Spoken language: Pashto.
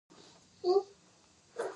هورمونونه کیمیاوي پیغام رسوونکي دي